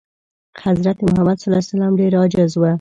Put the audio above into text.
حضرت محمد ﷺ ډېر عاجز و.